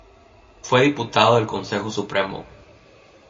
Fue diputado del Consejo Supremo.